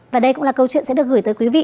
và đây cũng là câu chuyện sẽ được gửi tới quý vị